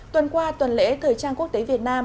tuần qua tuần lễ thời trang quốc tế việt nam